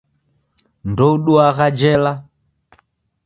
Ndouduagha jela.